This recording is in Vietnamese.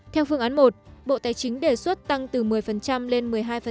theo phương án một bộ tài chính đề xuất tăng từ một mươi lên một mươi hai